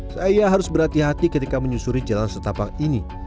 saya harus berhati hati ketika menyusuri jalan setapak ini